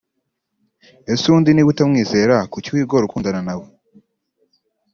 Ese ubundi niba utamwizera kuki wigora ukundana nawe